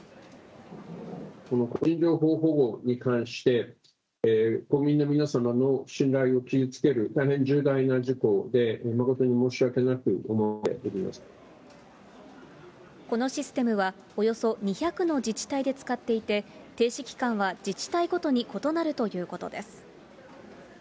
この個人情報保護に関して、国民の皆様の信頼を傷つける大変重大な事故で、このシステムは、およそ２００の自治体で使っていて、停止期間は自治体ごとに異なるということです。